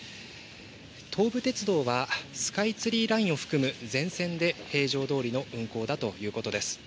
東武鉄道は、スカイツリーラインを含む全線で平常どおりの運行だということです。